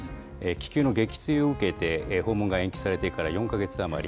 気球の撃墜を受けて訪問が延期されてから４か月余り。